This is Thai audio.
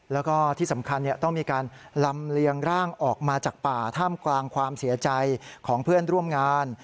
แล้วก็ที่สำคัญต้องมีการลำเลียงร่างออกมาจากป่าท่ามกลางความเสียใจของเพื่อนร่วมงาน